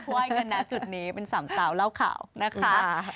ว่ายกันนะจุดนี้เป็นสามสาวเล่าข่าวนะคะ